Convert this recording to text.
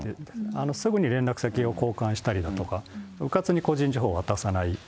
すぐに連絡先を交換したりだとか、うかつに個人情報を渡さない。